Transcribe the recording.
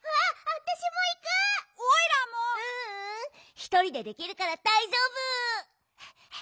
ひとりでできるからだいじょうぶ！